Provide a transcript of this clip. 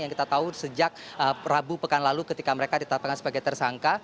yang kita tahu sejak rabu pekan lalu ketika mereka ditetapkan sebagai tersangka